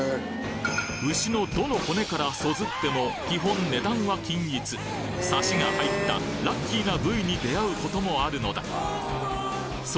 牛のどの骨からそずっても基本値段は均一サシが入ったラッキーな部位に出会うこともあるのだそ